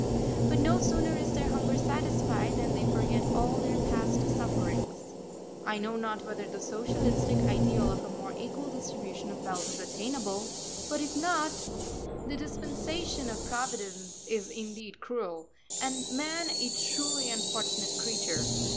But no sooner is their hunger satisfied than they forget all their past sufferings. I know not whether the socialistic ideal of a more equal distribution of wealth is attainable, but if not, the dispensation of Providence is indeed cruel, and man a truly unfortunate creature.